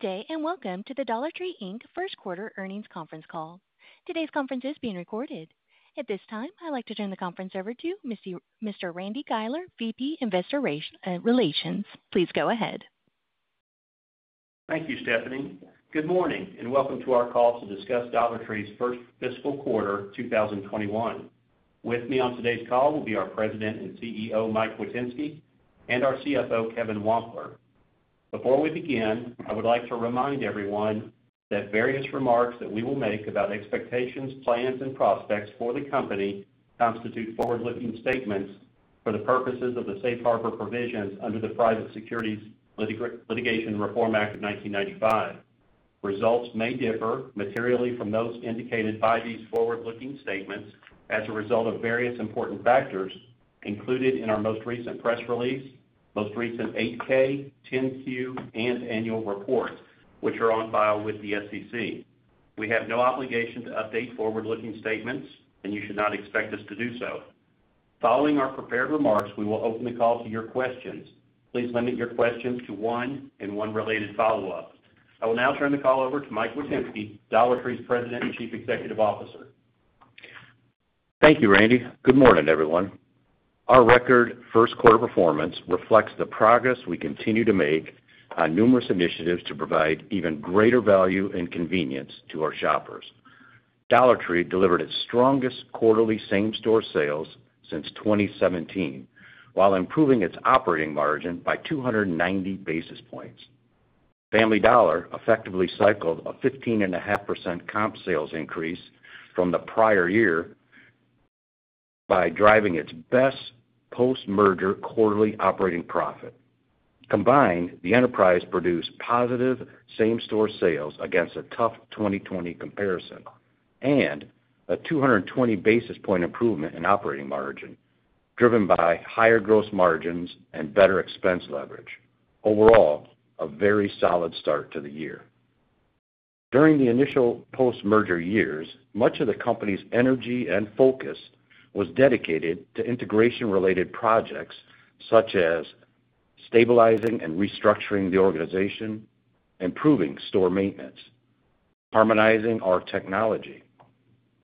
Good day. Welcome to the Dollar Tree, Inc. first quarter earnings conference call. Today's conference is being recorded. At this time, I'd like to turn the conference over to Mr. Randy Guiler, Vice President, Investor Relations. Please go ahead. Thank you, Stephanie. Welcome to our call to discuss Dollar Tree's first fiscal quarter 2021. With me on today's call will be our President and CEO, Mike Witynski, and our CFO, Kevin Wampler. Before we begin, I would like to remind everyone that various remarks that we will make about expectations, plans, and prospects for the company constitute forward-looking statements for the purposes of the safe harbor provisions under the Private Securities Litigation Reform Act of 1995. Results may differ materially from those indicated by these forward-looking statements as a result of various important factors included in our most recent press release, most recent 8K, 10-Q, and annual reports, which are on file with the SEC. We have no obligation to update forward-looking statements, and you should not expect us to do so. Following our prepared remarks, we will open the call to your questions. Please limit your questions to one, and one related follow-up. I will now turn the call over to Mike Witynski, Dollar Tree's President and Chief Executive Officer. Thank you, Randy. Good morning, everyone. Our record first-quarter performance reflects the progress we continue to make on numerous initiatives to provide even greater value and convenience to our shoppers. Dollar Tree delivered its strongest quarterly same-store sales since 2017, while improving its operating margin by 290 basis points. Family Dollar effectively cycled a 15.5% comp sales increase from the prior year by driving its best post-merger quarterly operating profit. Combined, the enterprise produced positive same-store sales against a tough 2020 comparison, and a 220 basis point improvement in operating margin, driven by higher gross margins and better expense leverage. Overall, a very solid start to the year. During the initial post-merger years, much of the company's energy and focus was dedicated to integration-related projects such as stabilizing and restructuring the organization, improving store maintenance, harmonizing our technology,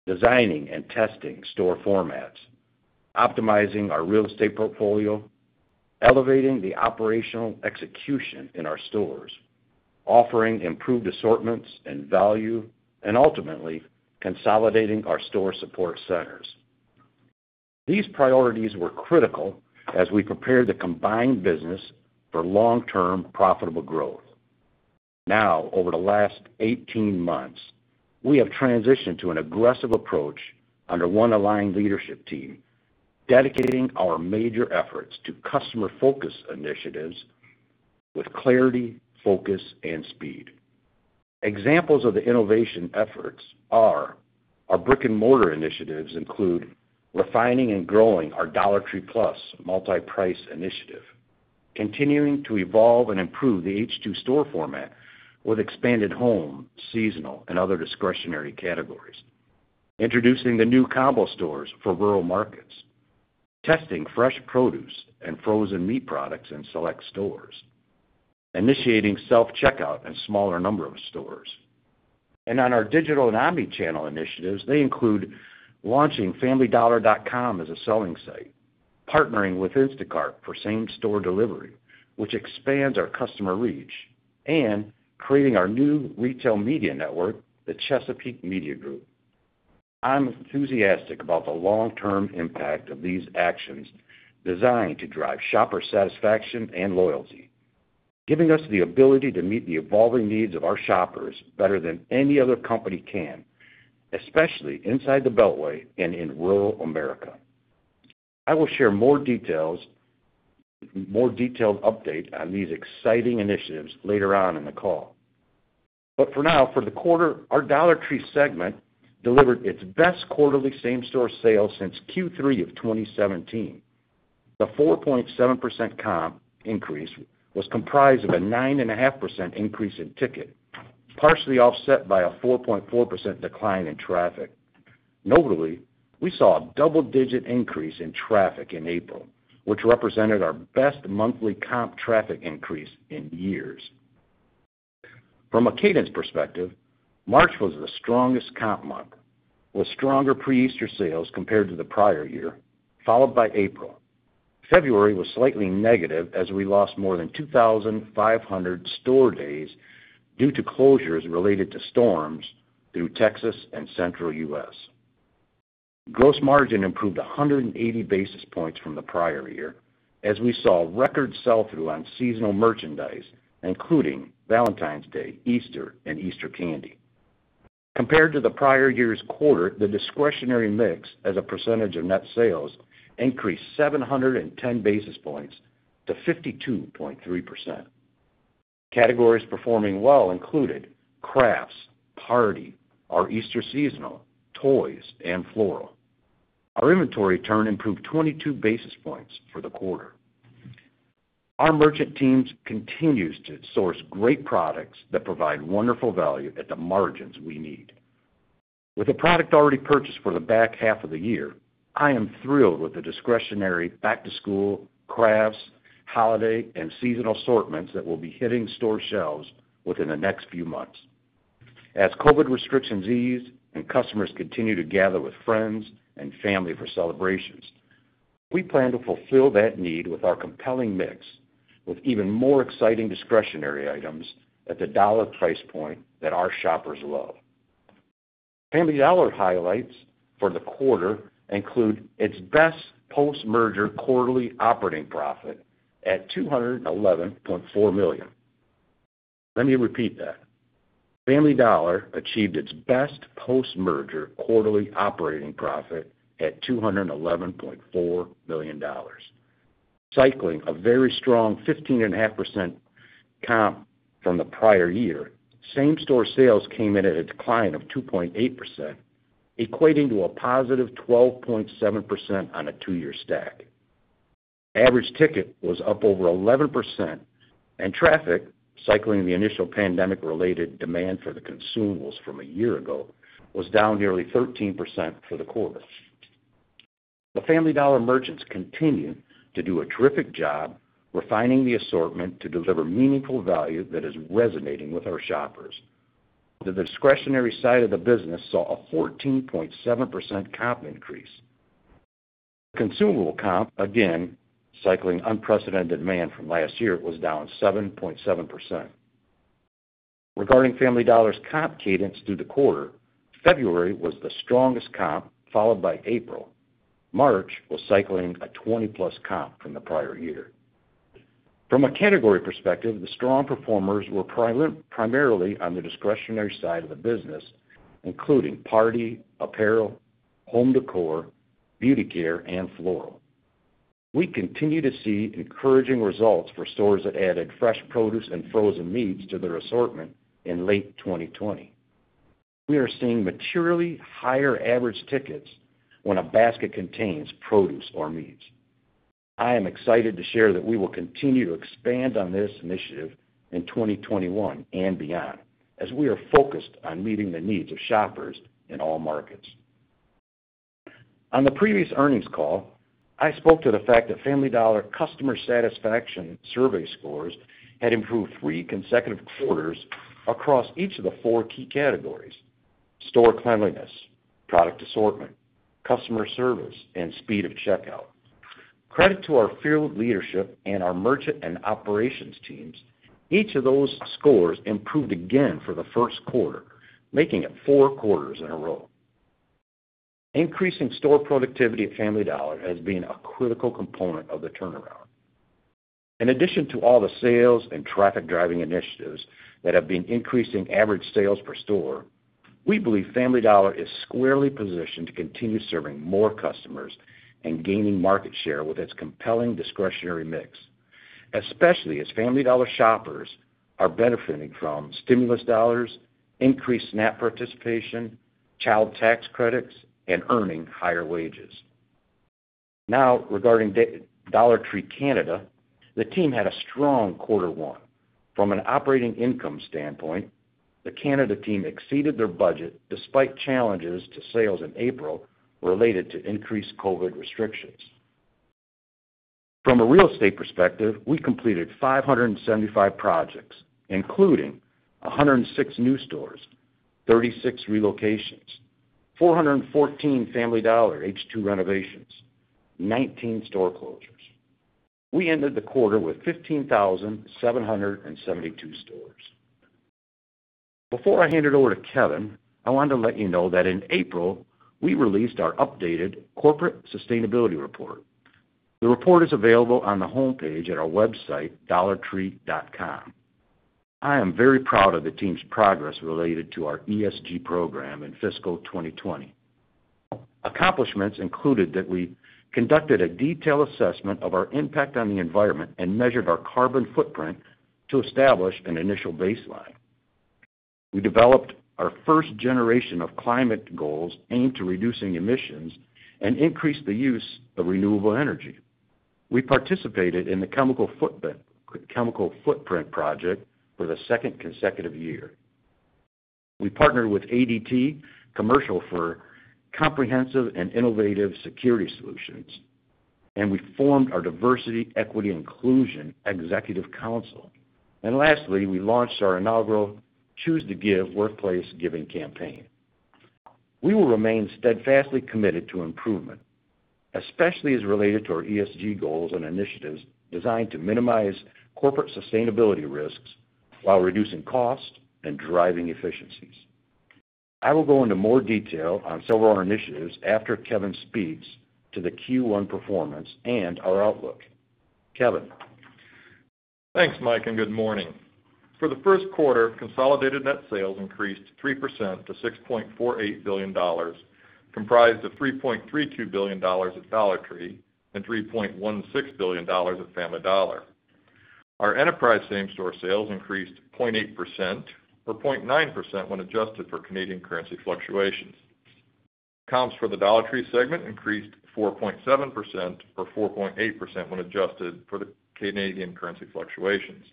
designing and testing store formats, optimizing our real estate portfolio, elevating the operational execution in our stores, offering improved assortments and value, and ultimately consolidating our store support centers. These priorities were critical as we prepared the combined business for long-term profitable growth. Now, over the last 18 months, we have transitioned to an aggressive approach under one aligned leadership team, dedicating our major efforts to customer-focused initiatives with clarity, focus, and speed. Examples of the innovation efforts are our brick-and-mortar initiatives include refining and growing our Dollar Tree Plus multi-price initiative, continuing to evolve and improve the H2 store format with expanded home, seasonal, and other discretionary categories, introducing the new combo stores for rural markets, testing fresh produce and frozen meat products in select stores, initiating self-checkout in smaller number of stores. On our digital and omnichannel initiatives, they include launching familydollar.com as a selling site, partnering with Instacart for same-store delivery, which expands our customer reach, and creating our new retail media network, the Chesapeake Media Group. I'm enthusiastic about the long-term impact of these actions designed to drive shopper satisfaction and loyalty, giving us the ability to meet the evolving needs of our shoppers better than any other company can, especially inside the beltway and in rural America. I will share more detailed updates on these exciting initiatives later on in the call. For now, for the quarter, our Dollar Tree segment delivered its best quarterly same-store sales since Q3 of 2017. The 4.7% comp increase was comprised of a 9.5% increase in ticket, partially offset by a 4.4% decline in traffic. Notably, we saw a double-digit increase in traffic in April, which represented our best monthly comp traffic increase in years. From a cadence perspective, March was the strongest comp month, with stronger pre-Easter sales compared to the prior year, followed by April. February was slightly negative as we lost more than 2,500 store days due to closures related to storms through Texas and central U.S. Gross margin improved 180 basis points from the prior year, as we saw record sell-through on seasonal merchandise, including Valentine's Day, Easter, and Easter candy. Compared to the prior year's quarter, the discretionary mix as a percentage of net sales increased 710 basis points to 52.3%. Categories performing well included crafts, party, our Easter seasonal, toys, and floral. Our inventory turn improved 22 basis points for the quarter. Our merchant teams continues to source great products that provide wonderful value at the margins we need. With the product already purchased for the back half of the year, I am thrilled with the discretionary back-to-school, crafts, holiday, and seasonal assortments that will be hitting store shelves within the next few months. As COVID restrictions ease and customers continue to gather with friends and family for celebrations, we plan to fulfill that need with our compelling mix, with even more exciting discretionary items at the dollar price point that our shoppers love. Family Dollar highlights for the quarter include its best post-merger quarterly operating profit at $211.4 million. Let me repeat that. Family Dollar achieved its best post-merger quarterly operating profit at $211.4 million, cycling a very strong 15.5% comp from the prior year. Same-store sales came in at a decline of 2.8%, equating to a positive 12.7% on a two-year stack. Traffic, cycling the initial pandemic-related demand for the consumables from a year ago, was down nearly 13% for the quarter. The Family Dollar merchants continue to do a terrific job refining the assortment to deliver meaningful value that is resonating with our shoppers. The discretionary side of the business saw a 14.7% comp increase. Consumable comp, again, cycling unprecedented demand from last year, was down 7.7%. Regarding Family Dollar's comp cadence through the quarter, February was the strongest comp, followed by April. March was cycling a 20+ comp from the prior year. From a category perspective, the strong performers were primarily on the discretionary side of the business, including party, apparel, home décor, beauty care, and floral. We continue to see encouraging results for stores that added fresh produce and frozen meats to their assortment in late 2020. We are seeing materially higher average tickets when a basket contains produce or meats. I am excited to share that we will continue to expand on this initiative in 2021 and beyond, as we are focused on meeting the needs of shoppers in all markets. On the previous earnings call, I spoke to the fact that Family Dollar customer satisfaction survey scores had improved three consecutive quarters across each of the four key categories, store cleanliness, product assortment, customer service, and speed of checkout. Credit to our field leadership and our merchant and operations teams, each of those scores improved again for the first quarter, making it four quarters in a row. Increasing store productivity at Family Dollar has been a critical component of the turnaround. In addition to all the sales and traffic-driving initiatives that have been increasing average sales per store, we believe Family Dollar is squarely positioned to continue serving more customers and gaining market share with its compelling discretionary mix, especially as Family Dollar shoppers are benefiting from stimulus dollars, increased SNAP participation, child tax credits, and earning higher wages. Regarding Dollar Tree Canada, the team had a strong quarter one. From an operating income standpoint, the Canada team exceeded their budget despite challenges to sales in April related to increased COVID restrictions. From a real estate perspective, we completed 575 projects, including 106 new stores, 36 relocations, 414 Family Dollar H2 renovations, 19 store closures. We ended the quarter with 15,772 stores. Before I hand it over to Kevin, I wanted to let you know that in April, we released our updated corporate sustainability report. The report is available on the homepage at our website, dollartree.com. I am very proud of the team's progress related to our ESG program in fiscal 2020. Accomplishments included that we conducted a detailed assessment of our impact on the environment and measured our carbon footprint to establish an initial baseline. We developed our first generation of climate goals aimed to reducing emissions and increased the use of renewable energy. We participated in the Chemical Footprint Project for the second consecutive year. We partnered with ADT Commercial for comprehensive and innovative security solutions. We formed our Diversity, Equity, and Inclusion Executive Council. Lastly, we launched our inaugural Choose to Give Workplace Giving Campaign. We will remain steadfastly committed to improvement, especially as related to our ESG goals and initiatives designed to minimize corporate sustainability risks while reducing costs and driving efficiencies. I will go into more detail on several initiatives after Kevin speaks to the Q1 performance and our outlook. Kevin? Thanks, Mike, and good morning. For the first quarter, consolidated net sales increased 3% to $6.48 billion, comprised of $3.32 billion at Dollar Tree and $3.16 billion at Family Dollar. Our enterprise same-store sales increased 0.8%, or 0.9% when adjusted for Canadian currency fluctuations. Counts for the Dollar Tree segment increased 4.7%, or 4.8% when adjusted for the Canadian currency fluctuations.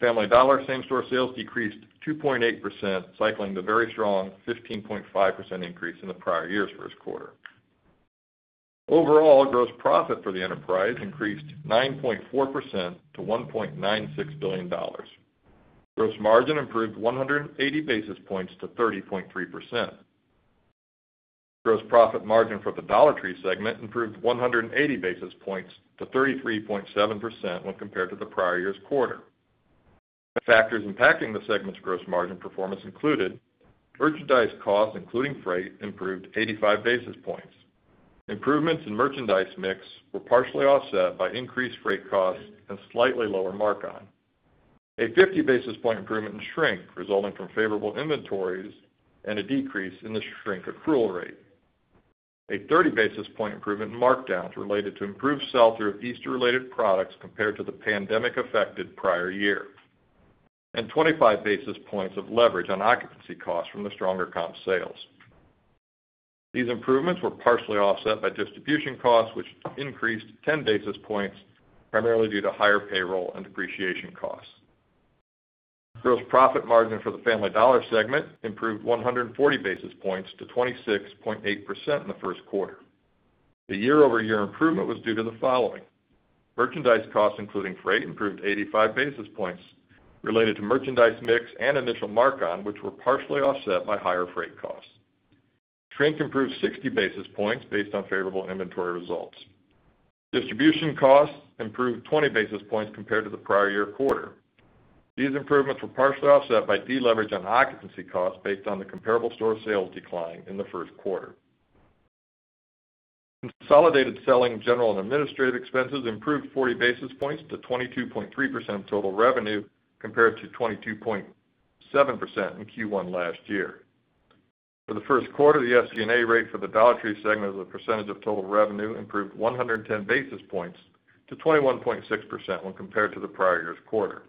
Family Dollar same-store sales decreased 2.8%, cycling the very strong 15.5% increase in the prior year's first quarter. Overall, gross profit for the enterprise increased 9.4% to $1.96 billion. Gross margin improved 180 basis points to 30.3%. Gross profit margin for the Dollar Tree segment improved 180 basis points to 33.7% when compared to the prior year's quarter. The factors impacting the segment's gross margin performance included merchandise costs, including freight, improved 85 basis points. Improvements in merchandise mix were partially offset by increased freight costs and slightly lower mark-on. A 50 basis point improvement in shrink resulting from favorable inventories and a decrease in the shrink accrual rate. A 30 basis point improvement in markdowns related to improved sell-through of Easter-related products compared to the pandemic-affected prior year. 25 basis points of leverage on occupancy costs from the stronger comp sales. These improvements were partially offset by distribution costs, which increased 10 basis points, primarily due to higher payroll and depreciation costs. Gross profit margin for the Family Dollar segment improved 140 basis points to 26.8% in the first quarter. The year-over-year improvement was due to the following. Merchandise costs, including freight, improved 85 basis points related to merchandise mix and initial mark-on, which were partially offset by higher freight costs. Shrink improved 60 basis points based on favorable inventory results. Distribution costs improved 20 basis points compared to the prior year quarter. These improvements were partially offset by deleverage on occupancy costs based on the comparable store sales decline in the first quarter. Consolidated selling, general, and administrative expenses improved 40 basis points to 22.3% of total revenue, compared to 22.7% in Q1 last year. For the first quarter, the SG&A rate for the Dollar Tree segment as a percentage of total revenue improved 110 basis points to 21.6% when compared to the prior year's quarter.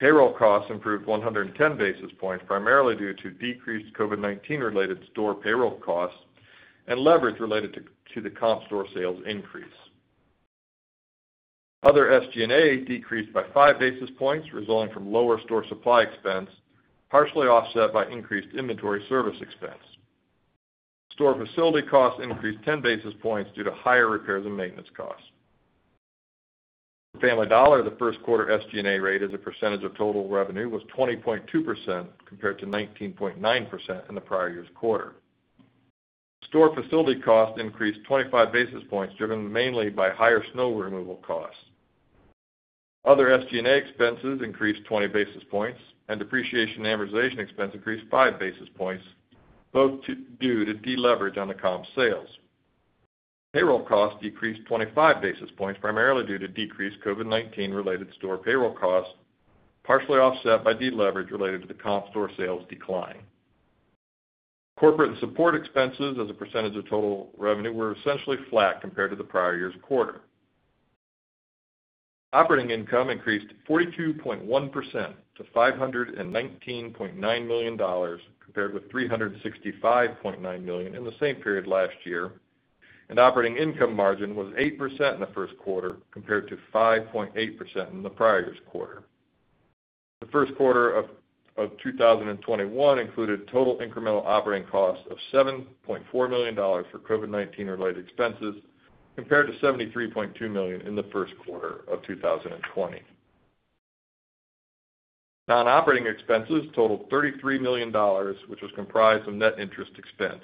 Payroll costs improved 110 basis points, primarily due to decreased COVID-19 related store payroll costs and leverage related to the comp store sales increase. Other SG&A decreased by five basis points, resulting from lower store supply expense, partially offset by increased inventory service expense. Store facility costs increased 10 basis points due to higher repairs and maintenance costs. For Family Dollar, the first quarter SG&A rate as a percentage of total revenue was 20.2% compared to 19.9% in the prior year's quarter. Store facility costs increased 25 basis points, driven mainly by higher snow removal costs. Other SG&A expenses increased 20 basis points, and depreciation and amortization expense increased five basis points, both due to deleverage on the comp sales. Payroll costs decreased 25 basis points, primarily due to decreased COVID-19 related store payroll costs, partially offset by deleverage related to the comp store sales decline. Corporate support expenses as a percentage of total revenue were essentially flat compared to the prior year's quarter. Operating income increased 42.1% to $519.9 million, compared with $365.9 million in the same period last year, and operating income margin was 8% in the first quarter, compared to 5.8% in the prior year's quarter. The first quarter of 2021 included total incremental operating costs of $7.4 million for COVID-19 related expenses, compared to $73.2 million in the first quarter of 2020. Non-operating expenses totaled $33 million, which was comprised of net interest expense.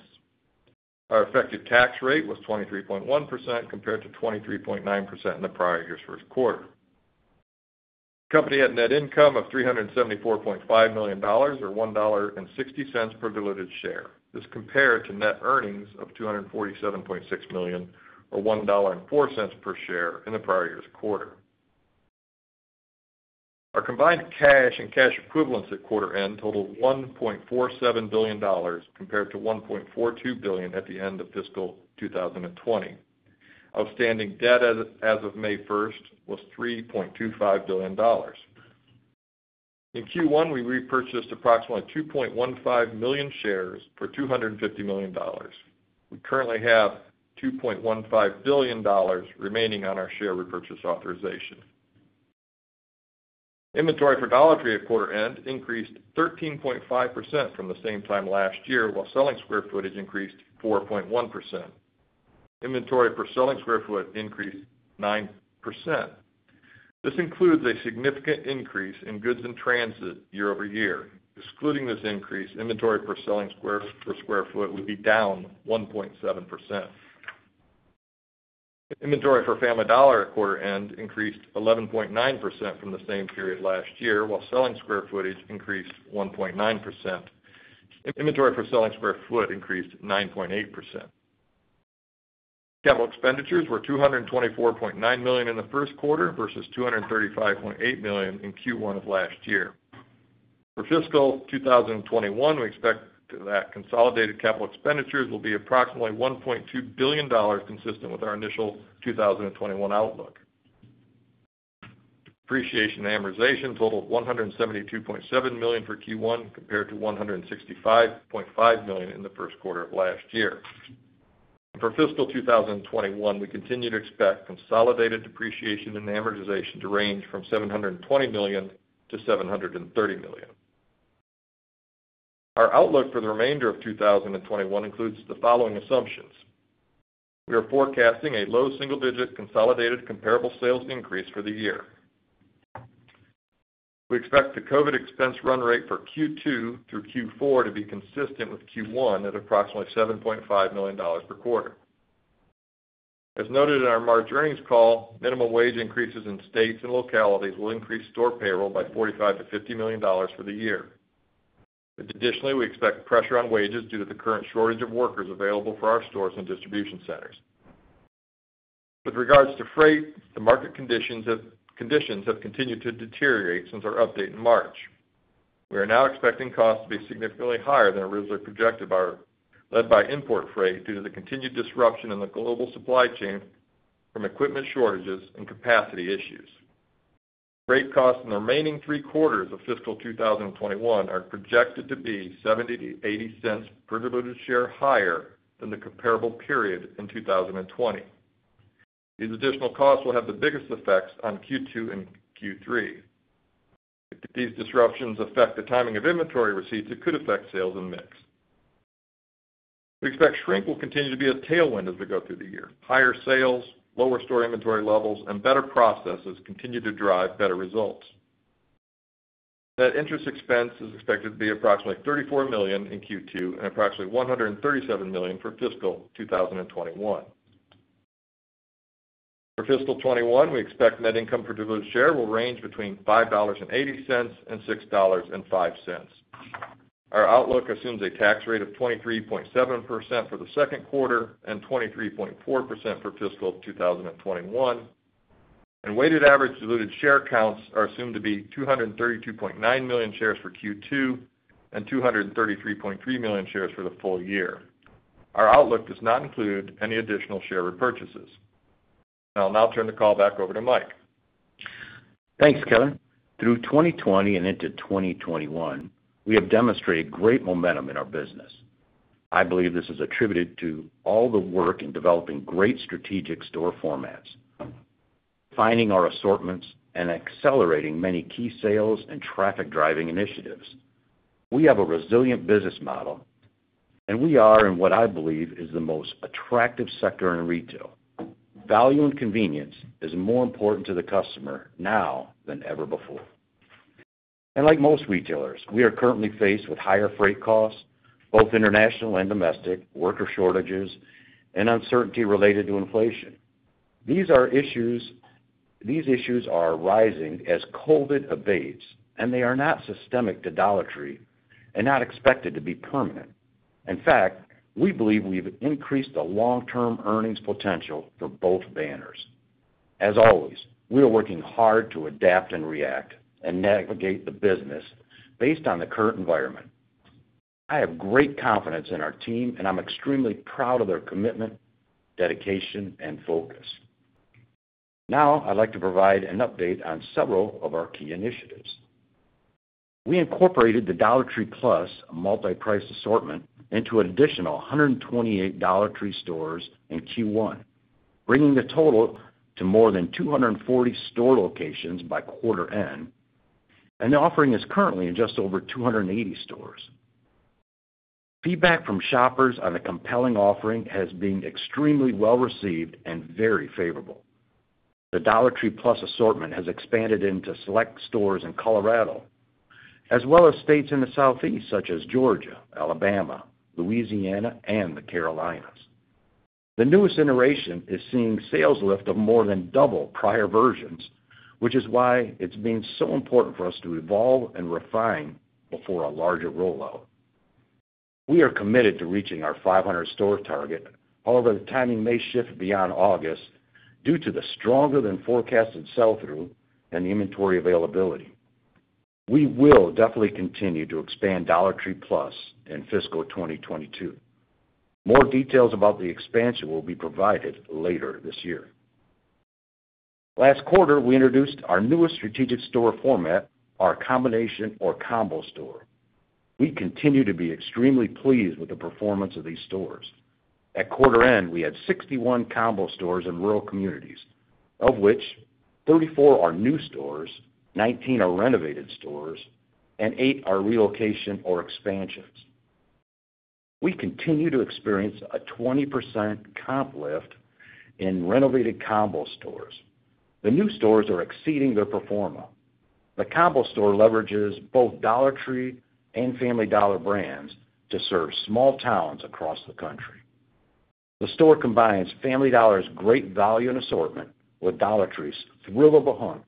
Our effective tax rate was 23.1% compared to 23.9% in the prior year's first quarter. Company had net income of $374.5 million, or $1.60 per diluted share. This compared to net earnings of $247.6 million or $1.04 per share in the prior year's quarter. Our combined cash and cash equivalents at quarter end totaled $1.47 billion, compared to $1.42 billion at the end of fiscal 2020. Outstanding debt as of May 1st was $3.25 billion. In Q1, we repurchased approximately 2.15 million shares for $250 million. We currently have $2.15 billion remaining on our share repurchase authorization. Inventory for Dollar Tree at quarter end increased 13.5% from the same time last year, while selling square footage increased 4.1%. Inventory per selling square foot increased 9%. This includes a significant increase in goods in transit year-over-year. Excluding this increase, inventory per selling square foot would be down 1.7%. Inventory for Family Dollar at quarter end increased 11.9% from the same period last year, while selling square footage increased 1.9%. Inventory per selling square foot increased 9.8%. Capital expenditures were $224.9 million in the first quarter versus $235.8 million in Q1 of last year. For fiscal 2021, we expect that consolidated capital expenditures will be approximately $1.2 billion, consistent with our initial 2021 outlook. Depreciation and amortization totaled $172.7 million for Q1 compared to $165.5 million in the first quarter of last year. For fiscal 2021, we continue to expect consolidated depreciation and amortization to range from $720 million-$730 million. Our outlook for the remainder of 2021 includes the following assumptions. We are forecasting a low single-digit consolidated comparable sales increase for the year. We expect the COVID expense run rate for Q2 through Q4 to be consistent with Q1 at approximately $7.5 million per quarter. As noted in our March earnings call, minimum wage increases in states and localities will increase store payroll by $45 million-$50 million for the year. Additionally, we expect pressure on wages due to the current shortage of workers available for our stores and distribution centers. With regards to freight, the market conditions have continued to deteriorate since our update in March. We are now expecting costs to be significantly higher than originally projected, led by import freight due to the continued disruption in the global supply chain from equipment shortages and capacity issues. Freight costs in the remaining three quarters of fiscal 2021 are projected to be $0.70-$0.80 per diluted share higher than the comparable period in 2020. These additional costs will have the biggest effects on Q2 and Q3. If these disruptions affect the timing of inventory receipts, it could affect sales and mix. We expect shrink will continue to be a tailwind as we go through the year. Higher sales, lower store inventory levels, and better processes continue to drive better results. Net interest expense is expected to be approximately $34 million in Q2 and approximately $137 million for fiscal 2021. For fiscal 2021, we expect net income per diluted share will range between $5.80 and $6.05. Our outlook assumes a tax rate of 23.7% for the second quarter and 23.4% for fiscal 2021, and weighted average diluted share counts are assumed to be 232.9 million shares for Q2 and 233.3 million shares for the full year. Our outlook does not include any additional share repurchases. I'll now turn the call back over to Mike. Thanks, Kevin. Through 2020 and into 2021, we have demonstrated great momentum in our business. I believe this is attributed to all the work in developing great strategic store formats, planning our assortments, and accelerating many key sales and traffic-driving initiatives. We have a resilient business model, and we are in what I believe is the most attractive sector in retail. Value and convenience is more important to the customer now than ever before. Like most retailers, we are currently faced with higher freight costs, both international and domestic, worker shortages, and uncertainty related to inflation. These issues are rising as COVID-19 abates, and they are not systemic to Dollar Tree and not expected to be permanent. In fact, we believe we've increased the long-term earnings potential for both banners. As always, we are working hard to adapt and react and navigate the business based on the current environment. I have great confidence in our team, and I'm extremely proud of their commitment, dedication, and focus. Now, I'd like to provide an update on several of our key initiatives. We incorporated the Dollar Tree Plus multi-price assortment into an additional 128 Dollar Tree stores in Q1, bringing the total to more than 240 store locations by quarter end. An offering is currently in just over 280 stores. Feedback from shoppers on a compelling offering has been extremely well-received and very favorable. The Dollar Tree Plus assortment has expanded into select stores in Colorado, as well as states in the Southeast, such as Georgia, Alabama, Louisiana, and the Carolinas. The newest iteration is seeing sales lift of more than double prior versions, which is why it's been so important for us to evolve and refine before a larger rollout. We are committed to reaching our 500-store target, although the timing may shift beyond August due to the stronger-than-forecasted sell-through and inventory availability. We will definitely continue to expand Dollar Tree Plus in fiscal 2022. More details about the expansion will be provided later this year. Last quarter, we introduced our newest strategic store format, our combination or combo store. We continue to be extremely pleased with the performance of these stores. At quarter end, we had 61 combo stores in rural communities, of which 34 are new stores, 19 are renovated stores, and eight are relocation or expansions. We continue to experience a 20% comp lift in renovated combo stores. The new stores are exceeding their pro forma. The combo store leverages both Dollar Tree and Family Dollar brands to serve small towns across the country. The store combines Family Dollar's great value and assortment with Dollar Tree's thrill of the hunt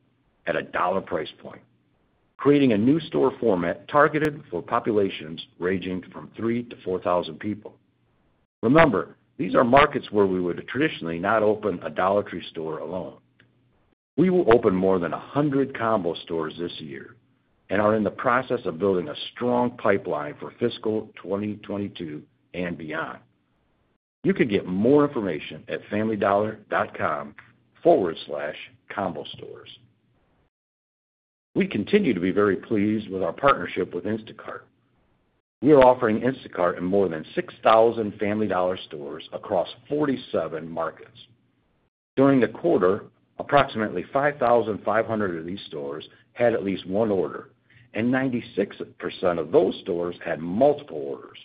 at a dollar price point, creating a new store format targeted for populations ranging from 3,000-4,000 people. Remember, these are markets where we would traditionally not open a Dollar Tree store alone. We will open more than 100 combo stores this year and are in the process of building a strong pipeline for fiscal 2022 and beyond. You can get more information at familydollar.com/combostores. We continue to be very pleased with our partnership with Instacart. We are offering Instacart in more than 6,000 Family Dollar stores across 47 markets. During the quarter, approximately 5,500 of these stores had at least one order, and 96% of those stores had multiple orders.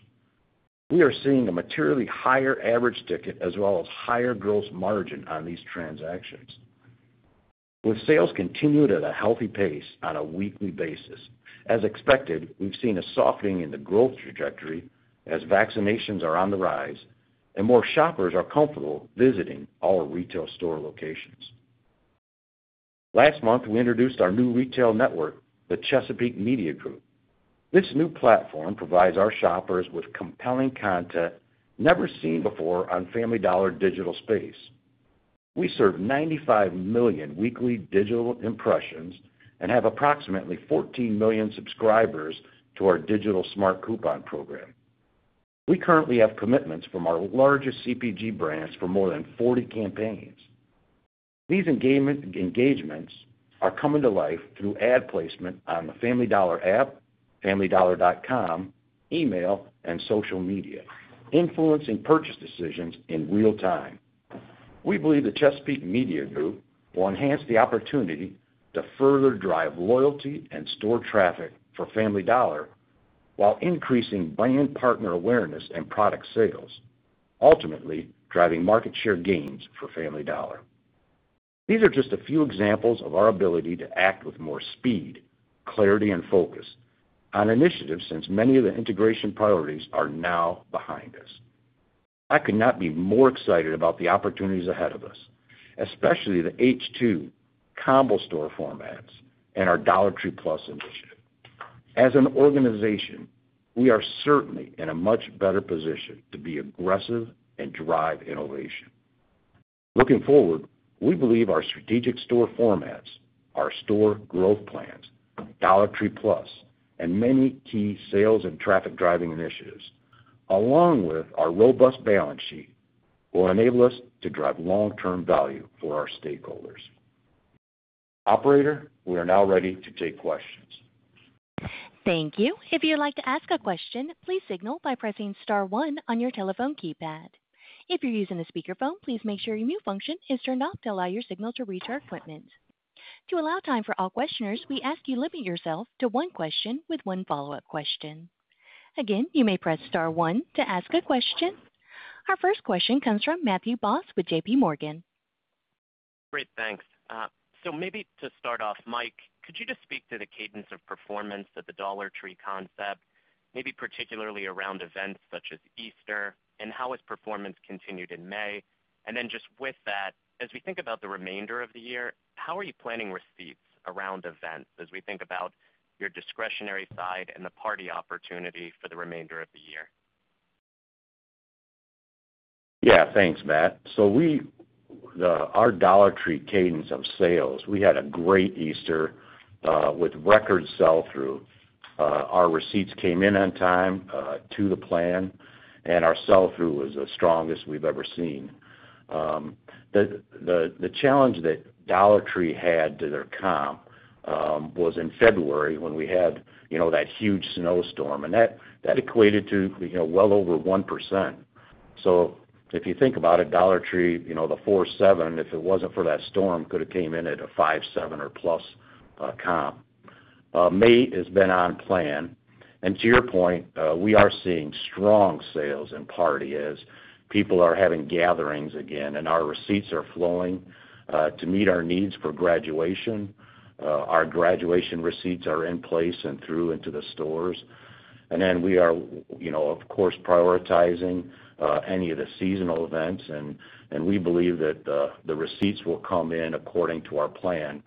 We are seeing a materially higher average ticket as well as higher gross margin on these transactions. With sales continuing at a healthy pace on a weekly basis, as expected, we've seen a softening in the growth trajectory as vaccinations are on the rise and more shoppers are comfortable visiting our retail store locations. Last month, we introduced our new retail network, the Chesapeake Media Group. This new platform provides our shoppers with compelling content never seen before on Family Dollar digital space. We serve 95 million weekly digital impressions and have approximately 14 million subscribers to our digital smart coupon program. We currently have commitments from our largest CPG brands for more than 40 campaigns. These engagements are coming to life through ad placement on the Family Dollar app, familydollar.com, email, and social media, influencing purchase decisions in real time. We believe the Chesapeake Media Group will enhance the opportunity to further drive loyalty and store traffic for Family Dollar while increasing brand partner awareness and product sales, ultimately driving market share gains for Family Dollar. These are just a few examples of our ability to act with more speed, clarity, and focus on initiatives since many of the integration priorities are now behind us. I could not be more excited about the opportunities ahead of us, especially the H2 combo store formats and our Dollar Tree Plus initiative. As an organization, we are certainly in a much better position to be aggressive and drive innovation. Looking forward, we believe our strategic store formats, our store growth plans, Dollar Tree Plus, and many key sales and traffic-driving initiatives, along with our robust balance sheet, will enable us to drive long-term value for our stakeholders. Operator, we are now ready to take questions. Thank you. If you'd like to ask a question, please signal by pressing star one on your telephone keypad. If you're using a speakerphone, please make sure your mute function is turned off to allow your signal to reach our equipment. To allow time for all questioners, we ask you limit yourself to one question with one follow-up question. Again, you may press star one to ask a question. Our first question comes from Matthew Boss with JPMorgan. Great. Thanks. Maybe to start off, Mike, could you just speak to the cadence of performance at the Dollar Tree concept, maybe particularly around events such as Easter, and how its performance continued in May? Then just with that, as we think about the remainder of the year, how are you planning receipts around events as we think about your discretionary side and the party opportunity for the remainder of the year? Yeah, thanks, Matt. Our Dollar Tree cadence of sales, we had a great Easter with record sell-through. Our receipts came in on time to the plan, and our sell-through was the strongest we've ever seen. The challenge that Dollar Tree had to their comp was in February when we had that huge snowstorm, and that equated to well over 1%. If you think about it, Dollar Tree, the 4.7%, if it wasn't for that storm, could have came in at a 5.7% or plus comp. May has been on plan. To your point, we are seeing strong sales in party as people are having gatherings again, and our receipts are flowing to meet our needs for graduation. Our graduation receipts are in place and through into the stores. We are, of course, prioritizing any of the seasonal events, and we believe that the receipts will come in according to our plan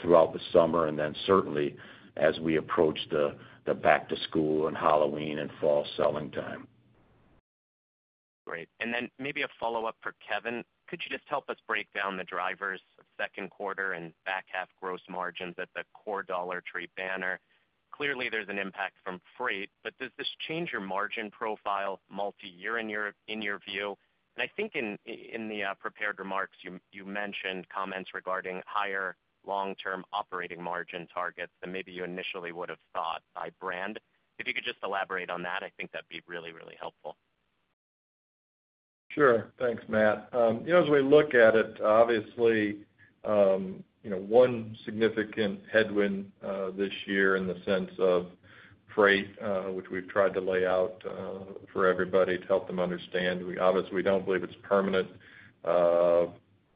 throughout the summer and then certainly as we approach the back-to-school and Halloween and fall selling time. Great. Then maybe a follow-up for Kevin. Could you just help us break down the drivers of second quarter and back half gross margins at the core Dollar Tree banner? Clearly, there's an impact from freight, does this change your margin profile multi-year in your view? I think in the prepared remarks, you mentioned comments regarding higher long-term operating margin targets than maybe you initially would have thought by brand. If you could just elaborate on that, I think that'd be really helpful. Sure. Thanks, Matt. As we look at it, obviously, one significant headwind this year in the sense of freight, which we've tried to lay out for everybody to help them understand. Obviously, we don't believe it's permanent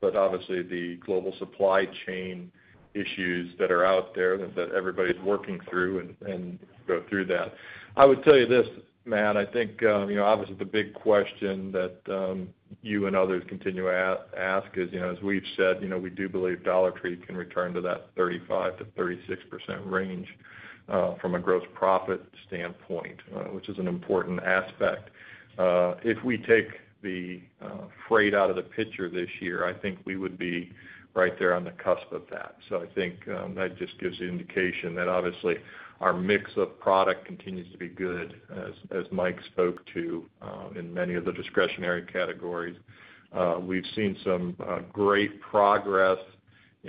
but obviously the global supply chain issues that are out there that everybody's working through and go through that. I would tell you this, Matt, I think obviously the big question that you and others continue to ask is, as we've said, we do believe Dollar Tree can return to that 35%-36% range from a gross profit standpoint, which is an important aspect. If we take the Freight out of the picture this year, I think we would be right there on the cusp of that. I think that just gives the indication that obviously our mix of product continues to be good, as Mike spoke to, in many of the discretionary categories. We've seen some great progress in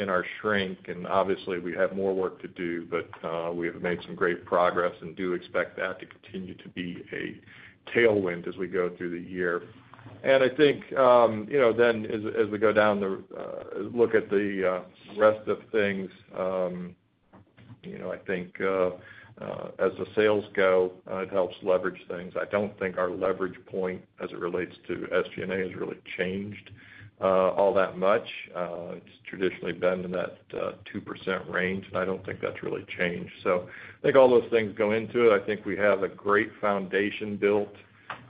our shrink, and obviously we have more work to do, but we have made some great progress and do expect that to continue to be a tailwind as we go through the year. I think, then as I go down the look at the rest of things, I think as the sales go, it helps leverage things. I don't think our leverage point as it relates to SG&A has really changed all that much. It's traditionally been in that 2% range, and I don't think that's really changed. I think all those things go into it. I think we have a great foundation built.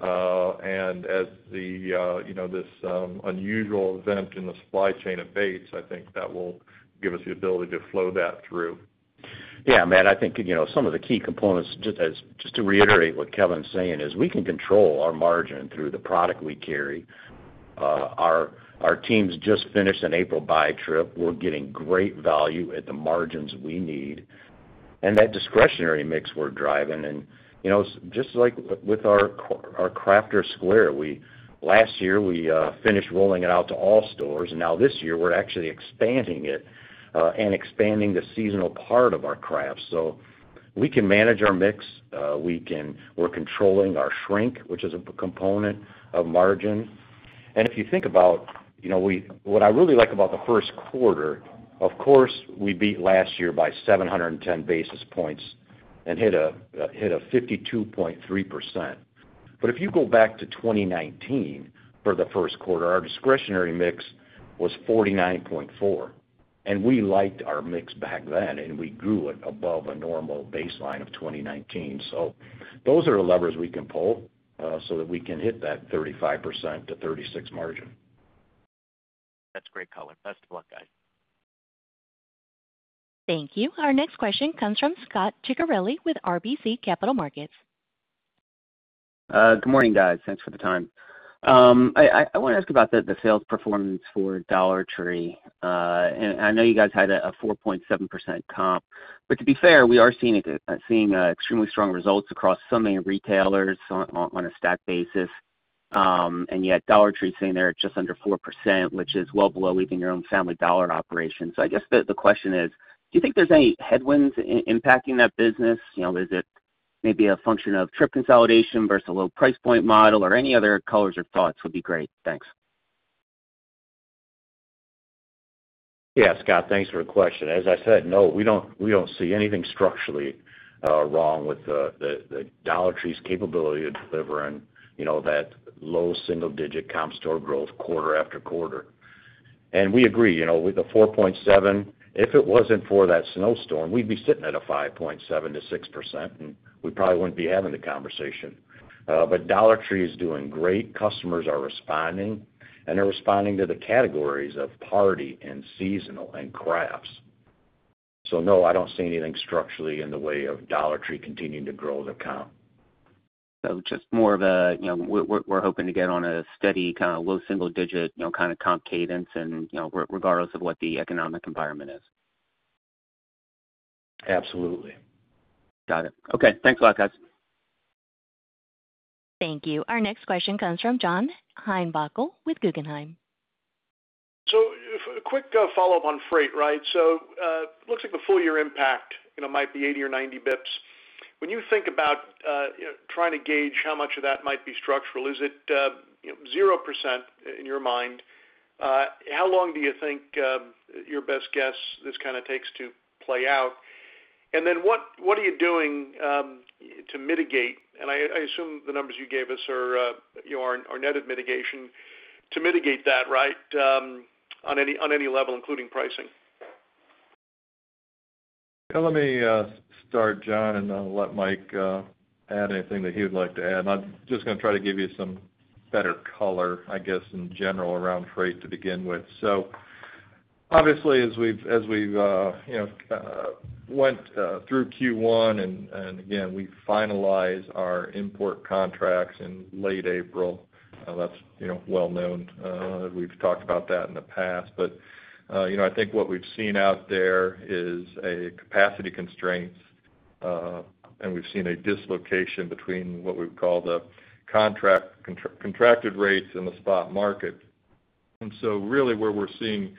As this unusual event in the supply chain abates, I think that will give us the ability to flow that through. Yeah, Matt, I think some of the key components, just to reiterate what Kevin's saying, is we can control our margin through the product we carry. Our teams just finished an April buy trip. We're getting great value at the margins we need, and that discretionary mix we're driving. Just like with our Crafter's Square, last year, we finished rolling it out to all stores, and now this year, we're actually expanding it and expanding the seasonal part of our craft. We can manage our mix. We're controlling our shrink, which is a component of margin. If you think about what I really like about the first quarter, of course, we beat last year by 710 basis points and hit a 52.3%. If you go back to 2019 for the first quarter, our discretionary mix was 49.4%. We liked our mix back then, and we grew it above a normal baseline of 2019. Those are the levers we can pull, so that we can hit that 35%-36% margin. That's great, Kevin. Best of luck, guys. Thank you. Our next question comes from Scot Ciccarelli with RBC Capital Markets. Good morning, guys. Thanks for the time. I want to ask about the sales performance for Dollar Tree. I know you guys had a 4.7% comp, to be fair, we are seeing extremely strong results across so many retailers on a stack basis. Yet Dollar Tree is sitting there at just under 4%, which is well below even your own Family Dollar operation. I guess the question is, do you think there's any headwinds impacting that business? Is it maybe a function of trip consolidation versus a low price point model, any other colors or thoughts would be great. Thanks. Yeah, Scot, thanks for the question. As I said, no, we don't see anything structurally wrong with Dollar Tree's capability of delivering that low single digit comp store growth quarter after quarter. We agree, with the 4.7, if it wasn't for that snowstorm, we'd be sitting at a 5.7%-6%, and we probably wouldn't be having the conversation. Dollar Tree is doing great. Customers are responding, and they're responding to the categories of party and seasonal and crafts. No, I don't see anything structurally in the way of Dollar Tree continuing to grow the comp. Just more of a, we're hoping to get on a steady kind of low single digit, kind of comp cadence and, regardless of what the economic environment is. Absolutely. Got it. Okay. Thanks a lot, guys. Thank you. Our next question comes from John Heinbockel with Guggenheim. A quick follow-up on freight, right? Looks like the full year impact, it might be 80 or 90 basis points. When you think about trying to gauge how much of that might be structural, is it 0% in your mind? How long do you think, your best guess, this kind of takes to play out? What are you doing to mitigate, and I assume the numbers you gave us are net of mitigation, to mitigate that, right? On any level, including pricing. Let me start, John, and I'll let Mike add anything that he'd like to add. I'm just going to try to give you some better color, I guess, in general around freight to begin with. Obviously as we've went through Q1, and again, we finalize our import contracts in late April. That's well-known. We've talked about that in the past. I think what we've seen out there is a capacity constraint, and we've seen a dislocation between what we've called a contracted rates in the spot market. Really what we're seeing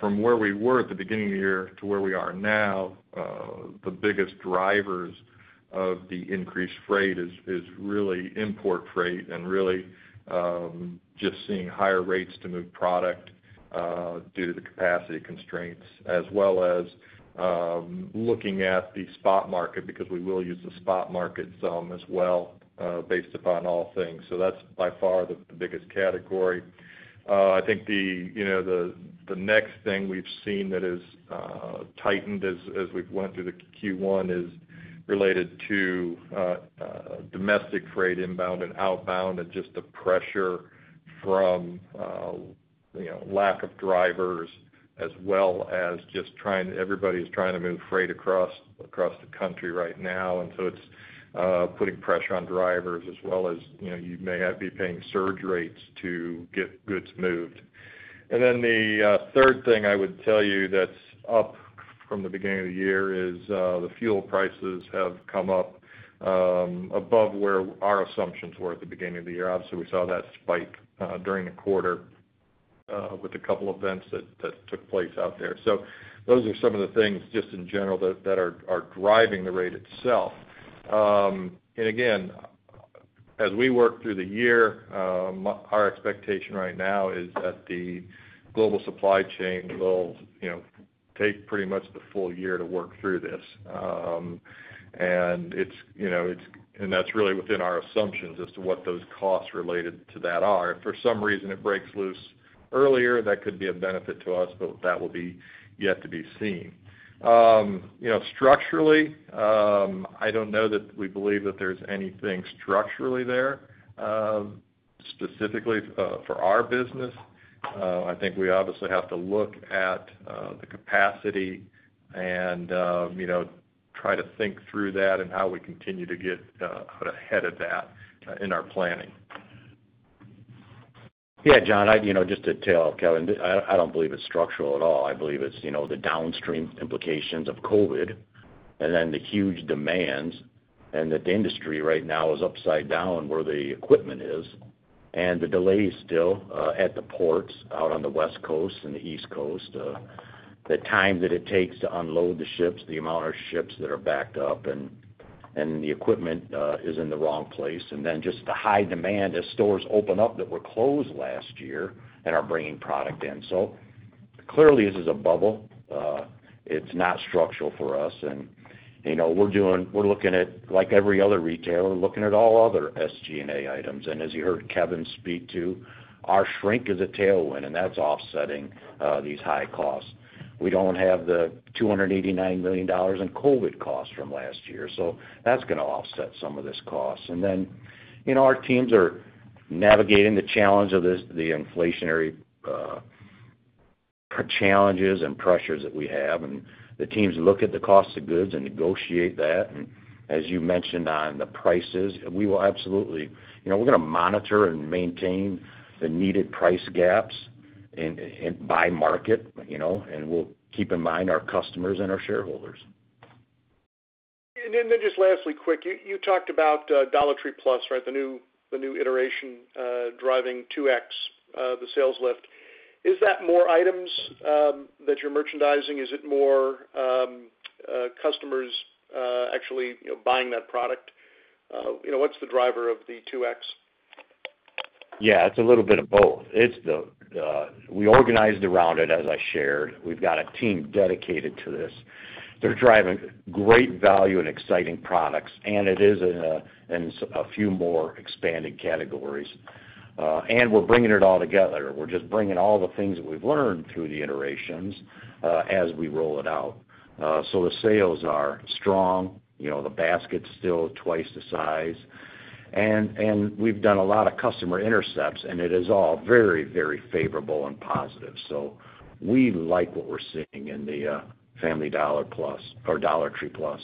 from where we were at the beginning of the year to where we are now, the biggest drivers of the increased freight is really import freight and really just seeing higher rates to move product due to the capacity constraints as well as looking at the spot market because we will use the spot market some as well based upon all things. That's by far the biggest category. The next thing we've seen that has tightened as we went through the Q1 is related to domestic freight inbound and outbound and just the pressure from lack of drivers. As well as just everybody's trying to move freight across the country right now. It's putting pressure on drivers as well as you may have to be paying surge rates to get goods moved. The third thing I would tell you that's up from the beginning of the year is the fuel prices have come up above where our assumptions were at the beginning of the year. Obviously, we saw that spike during the quarter with a couple events that took place out there. Those are some of the things just in general that are driving the rate itself. Again, as we work through the year, our expectation right now is that the global supply chain will take pretty much the full year to work through this. That's really within our assumptions as to what those costs related to that are. If for some reason it breaks loose earlier, that could be a benefit to us, but that will be yet to be seen. Structurally, I don't know that we believe that there's anything structurally there, specifically for our business. I think we obviously have to look at the capacity and try to think through that and how we continue to get ahead of that in our planning. John, just to tail Kevin, I don't believe it's structural at all. I believe it's the downstream implications of COVID-19 and then the huge demands and that the industry right now is upside down where the equipment is and the delays still at the ports out on the West Coast and the East Coast. The time that it takes to unload the ships, the amount of ships that are backed up, and the equipment is in the wrong place. Then just the high demand as stores open up that were closed last year and are bringing product in. Clearly, this is a bubble. It's not structural for us. We're looking at, like every other retailer, looking at all other SG&A items. As you heard Kevin speak to, our shrink is a tailwind, and that's offsetting these high costs. We don't have the $289 million in COVID-19 costs from last year. That's going to offset some of this cost. Then our teams are navigating the challenge of the inflationary challenges and pressures that we have. The teams look at the cost of goods and negotiate that. As you mentioned on the prices, we're going to monitor and maintain the needed price gaps by market, and we'll keep in mind our customers and our shareholders. Just lastly, quick, you talked about Dollar Tree Plus, the new iteration, driving 2x the sales lift. Is that more items that you're merchandising? Is it more customers actually buying that product? What's the driver of the 2x? Yeah, it's a little bit of both. We organized around it, as I shared. We've got a team dedicated to this. They're driving great value and exciting products, and it is in a few more expanded categories. We're bringing it all together. We're just bringing all the things that we've learned through the iterations as we roll it out. The sales are strong. The basket's still twice the size, and we've done a lot of customer intercepts, and it is all very, very favorable and positive. We like what we're seeing in the Family Dollar Plus or Dollar Tree Plus.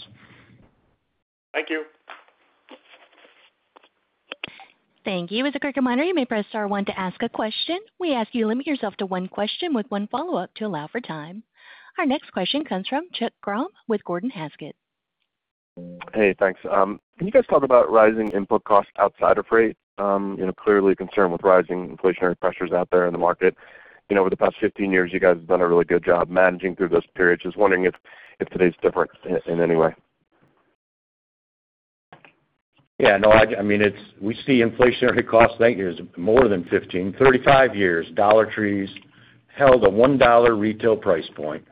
Thank you. Thank you. As a quick reminder, you may press star one to ask a question. We ask you, limit yourself to one question with one follow-up to allow for time. Our next question comes from Chuck Grom with Gordon Haskett. Hey, thanks. Can you guys talk about rising input costs outside of freight? Clearly concerned with rising inflationary pressures out there in the market. Within the past 15 years, you guys have done a really good job managing through those periods. Just wondering if today's different in any way. Yeah, no, we see inflationary cost more than 15, 35 years. Dollar Tree's held a $1 retail price point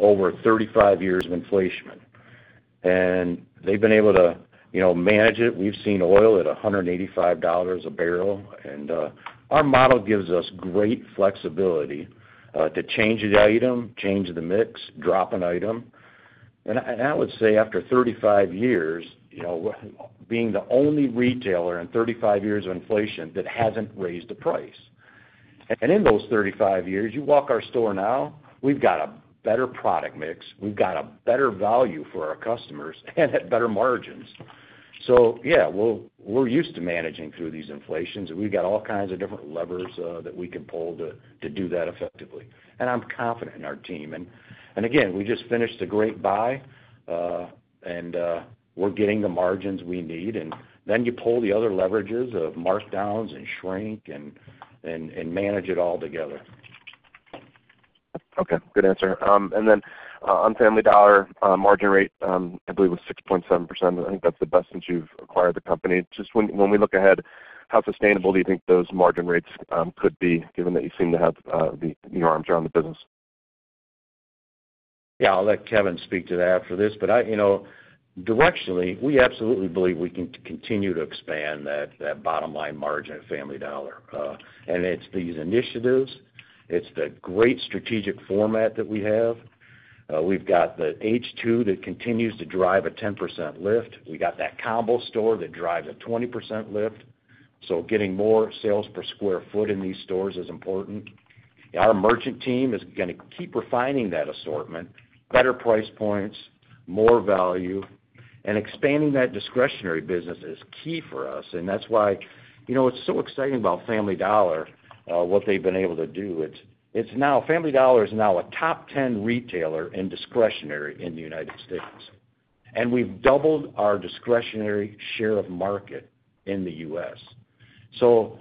over 35 years of inflation, and they've been able to manage it. We've seen oil at $185 a barrel, and our model gives us great flexibility to change an item, change the mix, drop an item. I would say after 35 years, being the only retailer in 35 years of inflation that hasn't raised a price. In those 35 years, you walk our store now, we've got a better product mix. We've got a better value for our customers and better margins. Yeah, we're used to managing through these inflations. We got all kinds of different levers that we can pull to do that effectively. I'm confident in our team. Again, we just finished a great buy, and we're getting the margins we need. You pull the other leverages of markdowns and shrink and manage it all together. Okay, good answer. On Family Dollar, margin rate, I believe was 6.7%. I think that's the best since you've acquired the company. Just when we look ahead, how sustainable do you think those margin rates could be given that you seem to have the new arms around the business? Yeah, I'll let Kevin speak to that after this. Directionally, we absolutely believe we can continue to expand that bottom line margin at Family Dollar. It's these initiatives. It's the great strategic format we've got the H2 that continues to drive a 10% lift. We got that combo store that drives a 20% lift. Getting more sales per sq ft in these stores is important. Our merchant team is going to keep refining that assortment, better price points, more value. Expanding that discretionary business is key for us. That's why, what's so exciting about Family Dollar, what they've been able to do, Family Dollar is now a top 10 retailer in discretionary in the United States. We've doubled our discretionary share of market in the U.S. The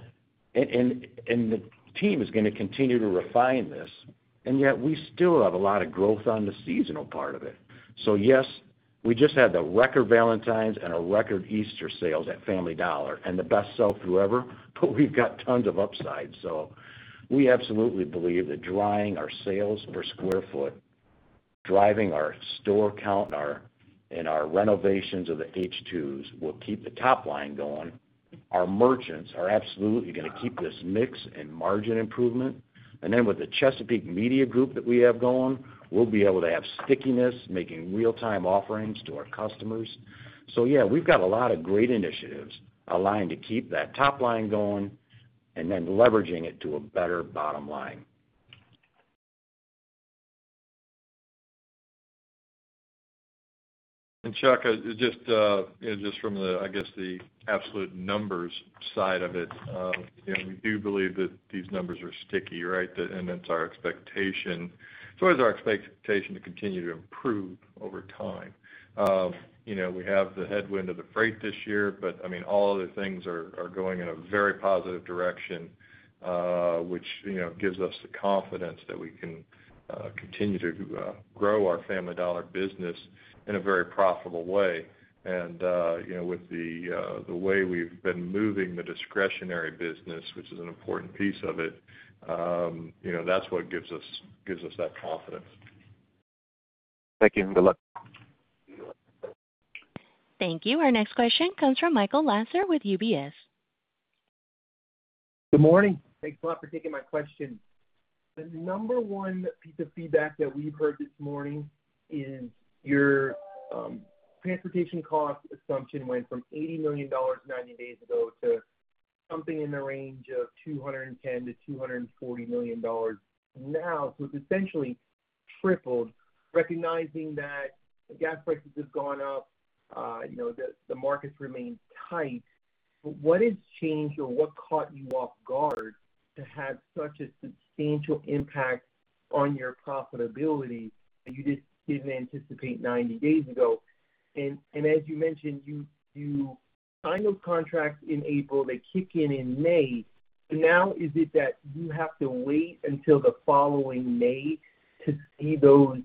team is going to continue to refine this, and yet we still have a lot of growth on the seasonal part of it. Yes, we just had a record Valentine's and a record Easter sales at Family Dollar and the best sell-through ever, but we've got tons of upside. We absolutely believe that driving our sales per square foot, driving our store count and our renovations of the H2s will keep the top line going. Our merchants are absolutely going to keep this mix and margin improvement. Then with the Chesapeake Media Group that we have going, we'll be able to have stickiness, making real-time offerings to our customers. Yeah, we've got a lot of great initiatives aligned to keep that top line going and then leveraging it to a better bottom line. Chuck, just from, I guess, the absolute numbers side of it, we do believe that these numbers are sticky, right? It's our expectation. It's always our expectation to continue to improve over time. We have the headwind of the freight this year, all the things are going in a very positive direction, which gives us the confidence that we can continue to grow our Family Dollar business in a very profitable way. With the way we've been moving the discretionary business, which is an important piece of it, that's what gives us that confidence. Thank you. Thank you. Our next question comes from Michael Lasser with UBS. Good morning. Thanks a lot for taking my question. The number one piece of feedback that we've heard this morning is your transportation cost assumption went from $80 million 90 days ago to something in the range of $210 million-$240 million now. It's essentially tripled. Recognizing that gas prices have gone up, the markets remain tight, but what has changed or what caught you off guard to have such a substantial impact on your profitability that you just didn't anticipate 90 days ago? As you mentioned, you signed those contracts in April to kick in in May. Now is it that you have to wait until the following May to see those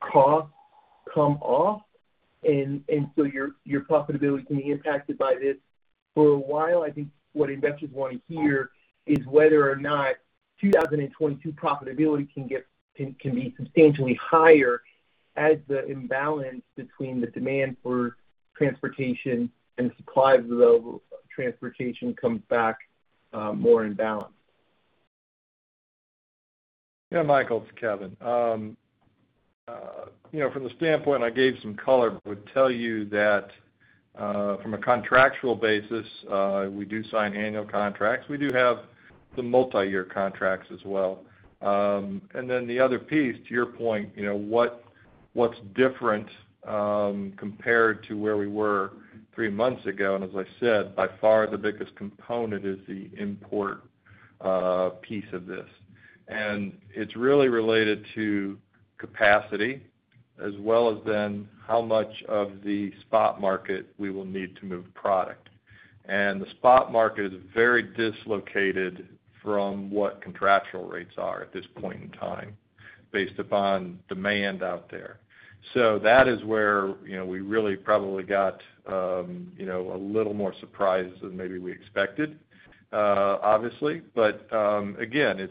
costs come off and so your profitability can be impacted by this for a while? I think what investors want to hear is whether or not 2022 profitability can be substantially higher as the imbalance between the demand for transportation and supply level of transportation comes back more in balance. Yeah, Michael, it's Kevin. From the standpoint I gave some color, I would tell you that from a contractual basis, we do sign annual contracts. We do have some multi-year contracts as well. Then the other piece to your point, what's different compared to where we were three months ago, as I said, by far the biggest component is the import piece of this. It's really related to capacity as well as then how much of the spot market we will need to move product. The spot market is very dislocated from what contractual rates are at this point in time based upon demand out there. That is where we really probably got a little more surprised than maybe we expected, obviously. Again,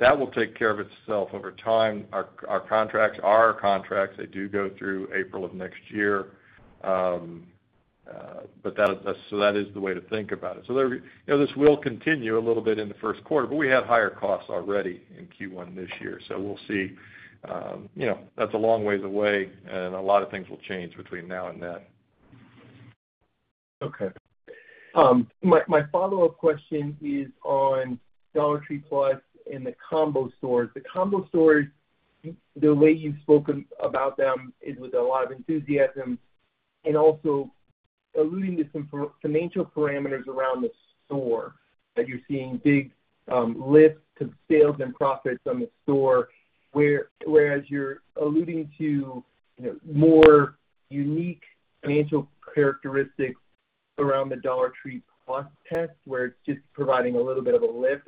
that will take care of itself over time. Our contracts are contracts that do go through April of next year. That is the way to think about it. This will continue a little bit in the first quarter, but we have higher costs already in Q1 this year. We'll see. That's a long ways away, and a lot of things will change between now and then. My follow-up question is on Dollar Tree Plus and the combo stores. The combo stores, the way you've spoken about them is with a lot of enthusiasm and also alluding to some financial parameters around the store. That you're seeing big lifts to sales and profits on the store, whereas you're alluding to more unique financial characteristics around the Dollar Tree Plus test, where it's just providing a little bit of a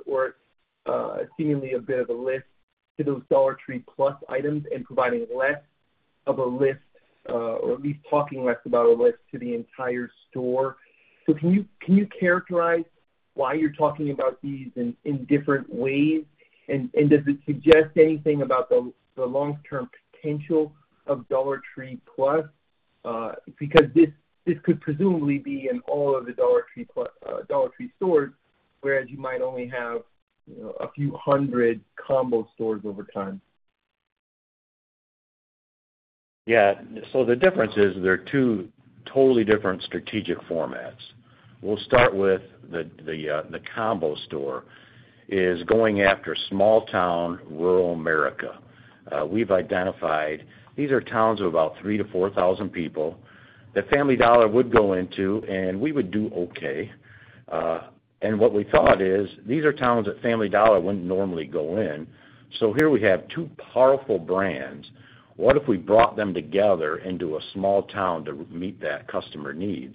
lift or seemingly a bit of a lift to those Dollar Tree Plus items and providing less of a lift, or at least talking less about a lift to the entire store. Can you characterize why you're talking about these in different ways, and does it suggest anything about the long-term potential of Dollar Tree Plus? Because this could presumably be in all of the Dollar Tree Plus stores, whereas you might only have a few hundred combo stores over time. The difference is they're two totally different strategic formats. We'll start with the combo store is going after small town, rural America. We've identified these are towns of about 3,000-4,000 people that Family Dollar would go into, and we would do okay. What we thought is these are towns that Family Dollar wouldn't normally go in. Here we have two powerful brands. What if we brought them together into a small town to meet that customer need?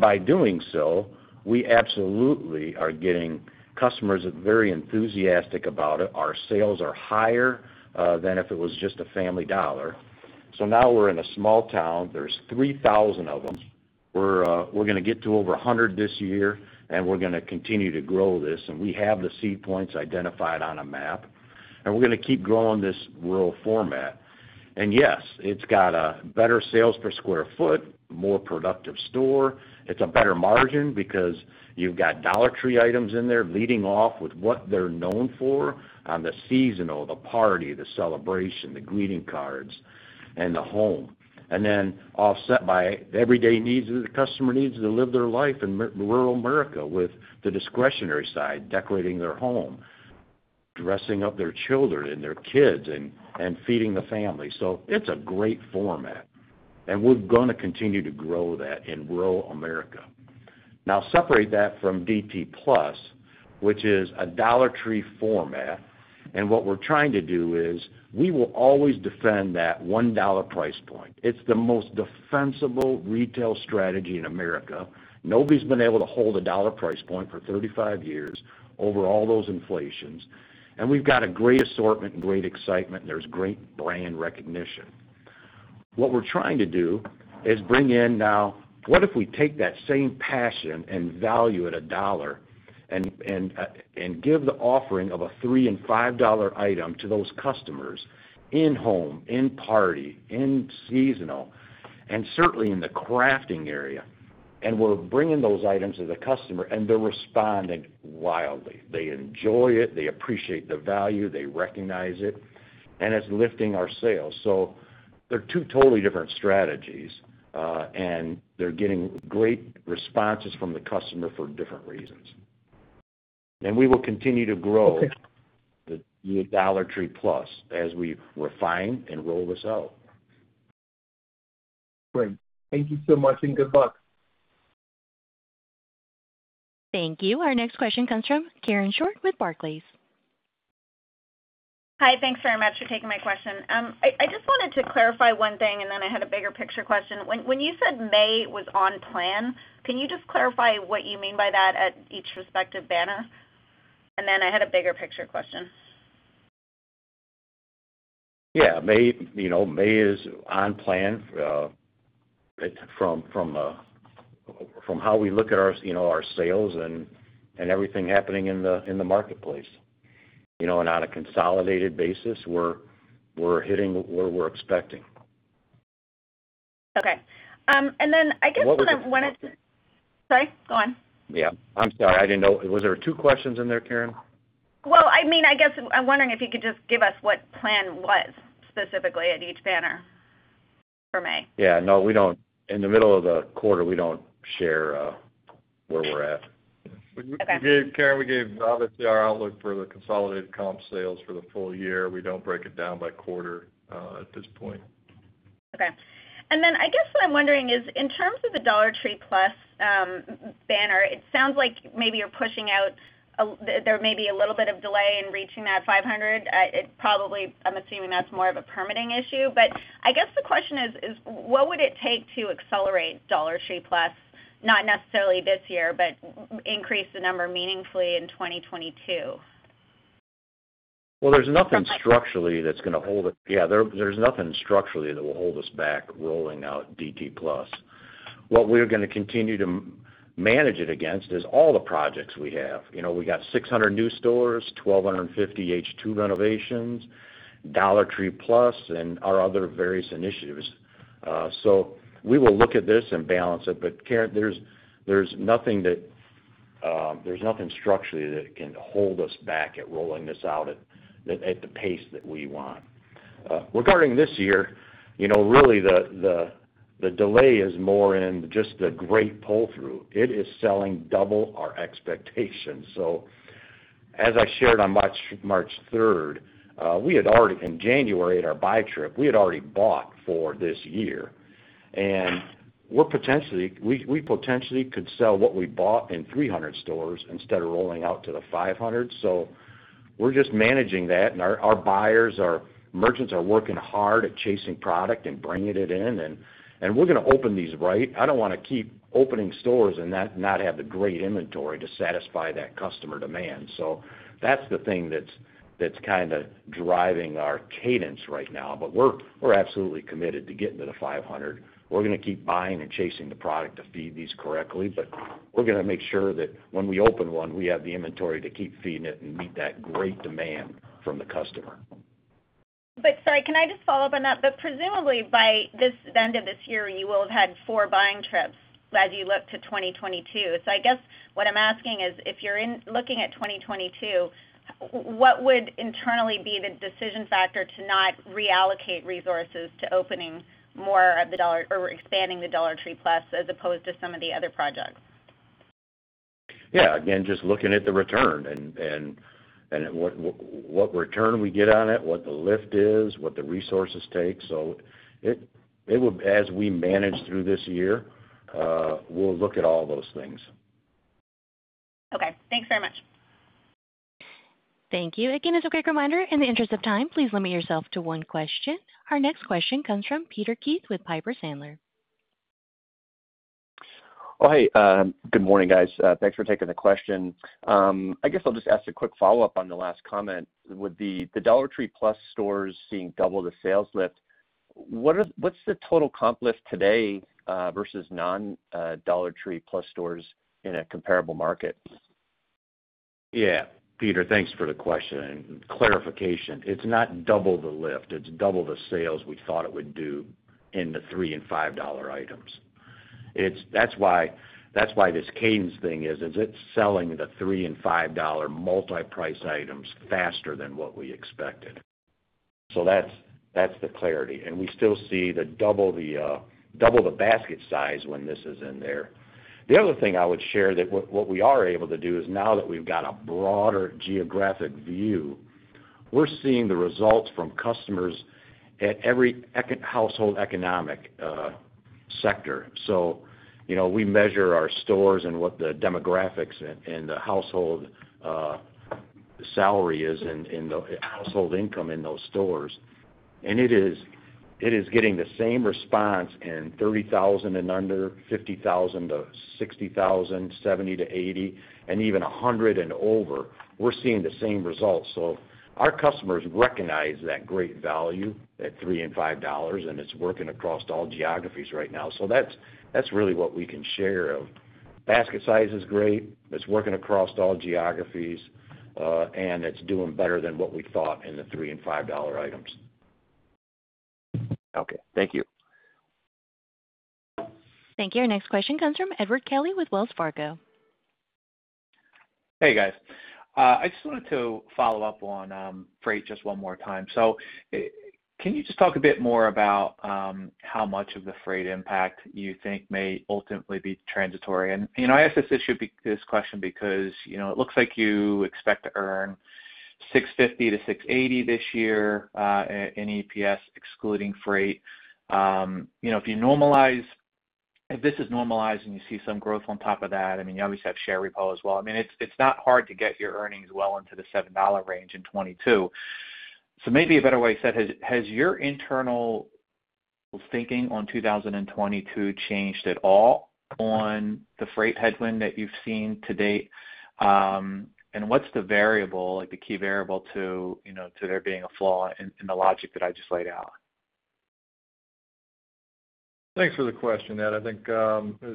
By doing so, we absolutely are getting customers very enthusiastic about it. Our sales are higher than if it was just a Family Dollar. Now we're in a small town. There's 3,000 of them. We're going to get to over 100 this year. We're going to continue to grow this. We have the seed points identified on a map. We're going to keep growing this rural format. Yes, it's got better sales per square foot, more productive store. It's a better margin because you've got Dollar Tree items in there leading off with what they're known for on the seasonal, the party, the celebration, the greeting cards, and the home. Then offset by everyday needs that a customer needs to live their life in rural America with the discretionary side, decorating their home, dressing up their children and their kids, and feeding the family. It's a great format. We're going to continue to grow that in rural America. Separate that from DT Plus, which is a Dollar Tree format, and what we're trying to do is we will always defend that $1 price point. It's the most defensible retail strategy in America. Nobody's been able to hold a dollar price point for 35 years over all those inflations. We've got a great assortment and great excitement. There's great brand recognition. What we're trying to do is bring in now, what if we take that same passion and value at a dollar and give the offering of a $3 and $5 item to those customers in home, in party, in seasonal, and certainly in the crafting area. We're bringing those items to the customer, and they're responding wildly. They enjoy it, they appreciate the value, they recognize it, and it's lifting our sales. They're two totally different strategies, and they're getting great responses from the customer for different reasons. We will continue to grow- Okay The Dollar Tree Plus as we refine and roll this out. Great. Thank you so much, and good luck. Thank you. Our next question comes from Karen Short with Barclays. Hi. Thanks very much for taking my question. I just wanted to clarify one thing. Then I had a bigger picture question. When you said May was on plan, can you just clarify what you mean by that at each respective banner? Then I had a bigger picture question. Yeah, May is on plan from how we look at our sales and everything happening in the marketplace. On a consolidated basis, we're hitting what we're expecting. Okay. I guess I'm wondering. What was the- Sorry, go on. Yeah, I'm sorry. I didn't know. Was there two questions in there, Karen? Well, I guess I'm wondering if you could just give us what plan was specifically at each banner for May. Yeah, no. In the middle of the quarter, we don't share where we're at. Okay. Karen, we gave, obviously, our outlook for the consolidated comp sales for the full year. We don't break it down by quarter at this point. Okay. I guess what I'm wondering is, in terms of the Dollar Tree Plus banner, it sounds like maybe there may be a little bit of delay in reaching that 500. Probably, I'm assuming that's more of a permitting issue. I guess the question is, what would it take to accelerate Dollar Tree Plus, not necessarily this year, but increase the number meaningfully in 2022? Well, there's nothing structurally that will hold us back rolling out DT Plus. What we're going to continue to manage it against is all the projects we have. We got 600 new stores, 1,250 H2 renovations, Dollar Tree Plus, and our other various initiatives. We will look at this and balance it. Karen, there's nothing structurally that can hold us back at rolling this out at the pace that we want. Regarding this year, really the delay is more in just the great pull-through. It is selling double our expectations. As I shared on March 3rd, in January at our buy trip, we had already bought for this year, and we potentially could sell what we bought in 300 stores instead of rolling out to the 500. We're just managing that, and our buyers, our merchants are working hard at chasing product and bringing it in, and we're going to open these right. I don't want to keep opening stores and not have the great inventory to satisfy that customer demand. That's the thing that's kind of driving our cadence right now. We're absolutely committed to getting to the 500. We're going to keep buying and chasing the product to feed these correctly, but we're going to make sure that when we open one, we have the inventory to keep feeding it and meet that great demand from the customer. Sorry, can I just follow up on that? Presumably by the end of this year, you will have had four buying trips as you look to 2022. I guess what I'm asking is, if you're looking at 2022, what would internally be the decision factor to not reallocate resources to opening more of the Dollar or expanding the Dollar Tree Plus as opposed to some of the other projects? Yeah. Again, just looking at the return and what return we get on it, what the lift is, what the resources take. As we manage through this year, we'll look at all those things. Okay. Thanks so much. Thank you. As a quick reminder, in the interest of time, please limit yourself to one question. Our next question comes from Peter Keith with Piper Sandler. Hi. Good morning, guys. Thanks for taking the question. I guess I'll just ask a quick follow-up on your last comment. With the Dollar Tree Plus stores seeing double the sales lift, what's the total comp lift today versus non Dollar Tree Plus stores in a comparable market? Peter, thanks for the question and clarification. It's not double the lift, it's double the sales we thought it would do in the $3 and $5 items. That's why this cadence thing is it selling the $3 and $5 multi-price items faster than what we expected? That's the clarity, and we still see double the basket size when this is in there. The other thing I would share that what we are able to do is now that we've got a broader geographic view, we're seeing the results from customers at every household economic sector. We measure our stores and what the demographics and the household salary is and the household income in those stores. It is getting the same response in 30,000 and under, 50,000-60,000, 70-80, and even 100 and over. We're seeing the same results. Our customers recognize that great value at $3 and $5, and it's working across all geographies right now. That's really what we can share. Basket size is great. It's working across all geographies. It's doing better than what we thought in the $3 and $5 items. Okay. Thank you. Thank you. Our next question comes from Edward Kelly with Wells Fargo. Hey, guys. I just wanted to follow up on freight just one more time. Can you just talk a bit more about how much of the freight impact you think may ultimately be transitory? I ask this question because it looks like you expect to earn $6.50-$6.80 this year, in EPS excluding freight. If this is normalized and you see some growth on top of that, you obviously have share repo as well. It's not hard to get your earnings well into the $7 range in 2022. Maybe a better way said, has your internal thinking on 2022 changed at all on the freight headwind that you've seen to date? What's the key variable to there being a flaw in the logic that I just laid out? Thanks for the question, Ed. I think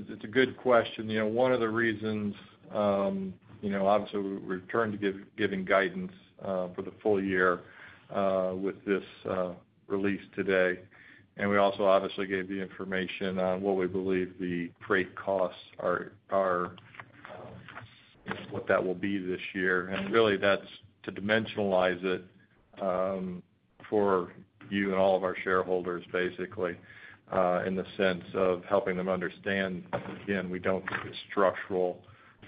it's a good question. One of the reasons, obviously, we've returned to giving guidance for the full year with this release today. We also obviously gave the information on what we believe the freight costs are, what that will be this year. Really that's to dimensionalize it for you and all of our shareholders, basically, in the sense of helping them understand, again, we don't think it's structural.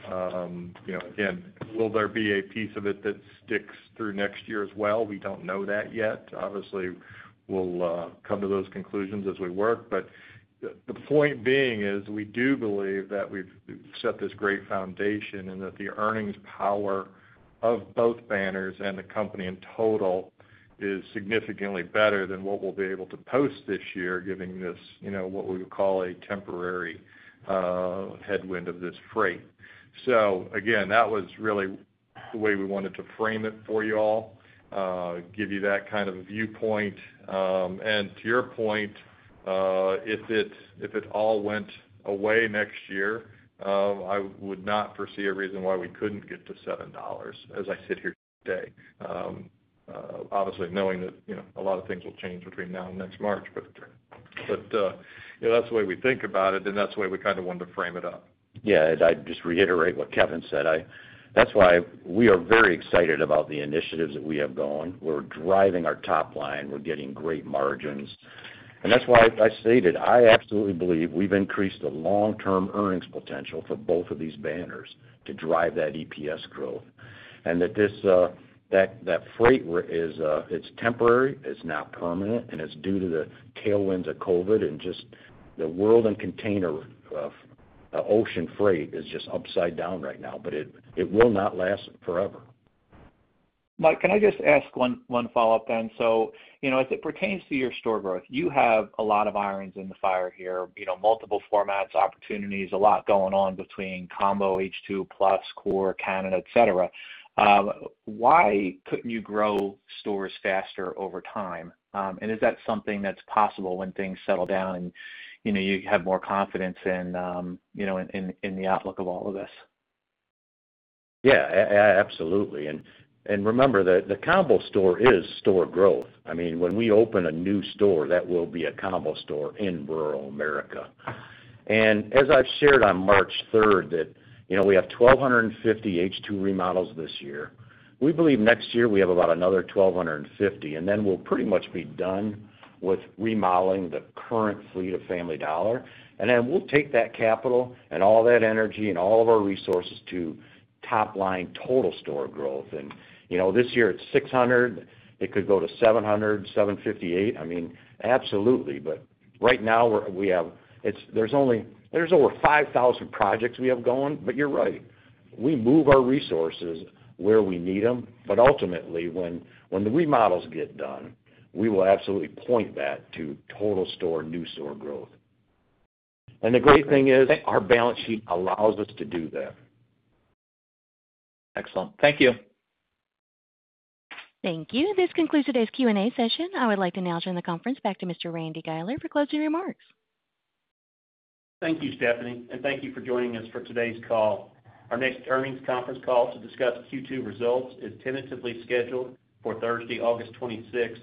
Again, will there be a piece of it that sticks through next year as well? We don't know that yet. Obviously, we'll come to those conclusions as we work. The point being is we do believe that we've set this great foundation and that the earnings power of both banners and the company in total is significantly better than what we'll be able to post this year, giving this, what we would call a temporary headwind of this freight. Again, that was really the way we wanted to frame it for you all, give you that kind of viewpoint. To your point, if it all went away next year, I would not foresee a reason why we couldn't get to $7 as I sit here today. Obviously, knowing that a lot of things will change between now and next March, but that's the way we think about it, and that's the way we kind of wanted to frame it up. Yeah. I'd just reiterate what Kevin said. That's why we are very excited about the initiatives that we have going. We're driving our top line. We're getting great margins. That's why I stated, I absolutely believe we've increased the long-term earnings potential for both of these banners to drive that EPS growth and that freight, it's temporary, it's not permanent, and it's due to the tailwinds of COVID-19 and just the world and container ocean freight is just upside down right now. It will not last forever. Mike, can I just ask one follow-up then? As it pertains to your store growth, you have a lot of irons in the fire here. Multiple formats, opportunities, a lot going on between combo H2 Plus, Core, Canada, et cetera. Why couldn't you grow stores faster over time? Is that something that's possible when things settle down and you have more confidence in the outlook of all of this? Yeah. Absolutely. Remember, the combo store is store growth. When we open a new store, that will be a combo store in rural America. As I've shared on March 3rd, that we have 1,250 H2 remodels this year. We believe next year we have about another 1,250, then we'll pretty much be done with remodeling the current fleet of Family Dollar. Then we'll take that capital and all that energy and all of our resources to top line total store growth. This year it's 600, it could go to 700, 758. Absolutely. Right now there's over 5,000 projects we have going, but you're right. We move our resources where we need them. Ultimately when the remodels get done, we will absolutely point that to total store, new store growth. The great thing is our balance sheet allows us to do that. Excellent. Thank you. Thank you. This concludes today's Q&A session. I would like to now turn the conference back to Mr. Randy Guiler to close your remarks. Thank you, Stephanie, and thank you for joining us for today's call. Our next earnings conference call to discuss Q2 results is tentatively scheduled for Thursday, August 26th.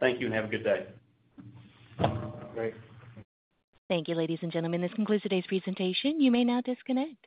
Thank you and have a good day. Great. Thank you, ladies and gentlemen. This concludes today's presentation. You may now disconnect.